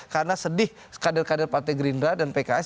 karena sedih kader kader partai gerindra dan pks